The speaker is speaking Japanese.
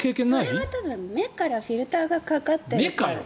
それは多分、目からフィルターがかかってるから。